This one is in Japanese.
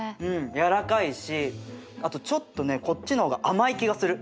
やわらかいしあとちょっとねこっちの方が甘い気がする。